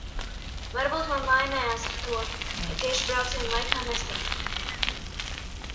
Varbūt man laimējās ar to, ka tieši brauciena laikā nesniga.